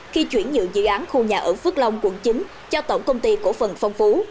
khi chuyển nhượng dự án khu nhà ở phước long quận chín cho tổng công ty cổ phần phong phú